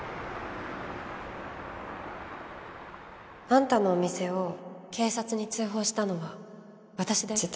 あんたのお店を警察に通報したのは私だよ。